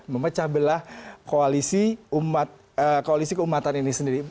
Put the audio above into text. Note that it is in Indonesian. memecah belah koalisi keumatan ini sendiri